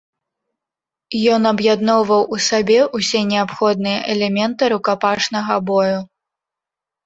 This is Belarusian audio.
Ён аб'ядноўваў у сабе ўсе неабходныя элементы рукапашнага бою.